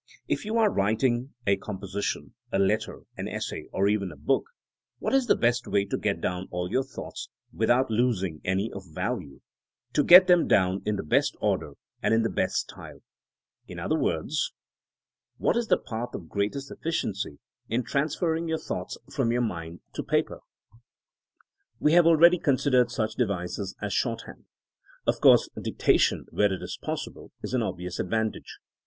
If you are writ ing a composition, a letter, an essay, or even a book, what is the best way to get down all your thoughts, without losing any of value; to get them down in the best order and in the best style T In other words what is the path of great est efficiency in transferring thoughts from your mind to paper? TEINEINa AS A SOIENOE 205 We hBve already considered such devices as shorthaad. Of course dictation, where it is pos sible, is an obvious advantage.